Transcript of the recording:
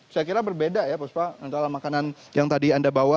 saya kira berbeda ya puspa antara makanan yang tadi anda bawa